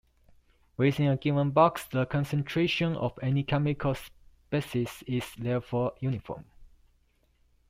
Within a given box, the concentration of any chemical species is therefore uniform.